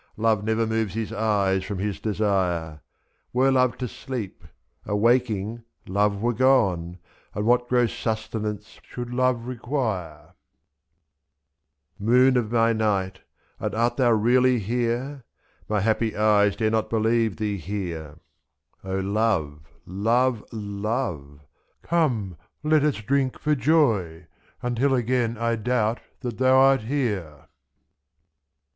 Love never moves his eyes from his desire; 2 06*. Were love to sleep, — awaking, love were gone; And what gross sustenance should love require ? 83 Moon of my nighty and art thou really here! My happy eyes dare not believe thee here ! ^oL.O lovey lovey love, — come let us drink for joy Until again I doubt that thou art here!